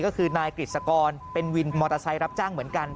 ก็คือนายกฤษกรเป็นวินมอเตอร์ไซค์รับจ้างเหมือนกัน